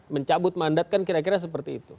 mencabut mandat kan kira kira seperti itu